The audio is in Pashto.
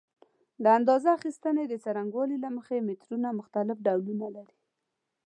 د اندازه اخیستنې د څرنګوالي له مخې مترونه مختلف ډولونه لري.